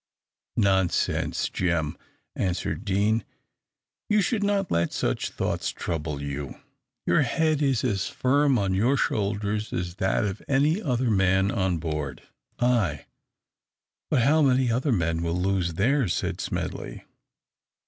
"Nonsense, Jem!" answered Deane; "you should not let such thoughts trouble you. Your head is as firm on your shoulders as that of any other man on board." "Ay, but how many other men will lose theirs?" said Smedley.